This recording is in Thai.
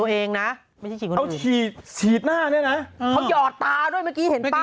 เขาหยอดตาด้วยเมื่อกี้เห็นป้ายไหม